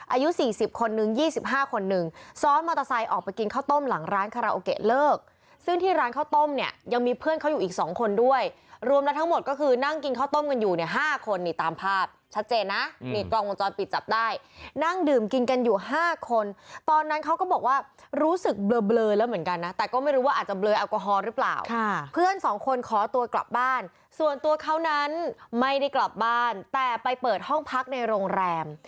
อายุ๔๐คนหนึ่ง๒๕คนหนึ่งซ้อนมอเตอร์ไซค์ออกไปกินข้าวต้มหลังร้านคาราโอเกเลิกซึ่งที่ร้านข้าวต้มเนี่ยยังมีเพื่อนเขาอยู่อีก๒คนด้วยรวมแล้วทั้งหมดก็คือนั่งกินข้าวต้มกันอยู่ใน๕คนนี่ตามภาพชัดเจนนะมีกล้องวงจรปิดจับได้นั่งดื่มกินกันอยู่๕คนตอนนั้นเขาก็บอกว่ารู้สึกเบลอแล้วเหมือนกั